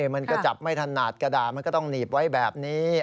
มันก็จับไม่ถนัดกระดาษมันก็ต้องหนีบไว้แบบนี้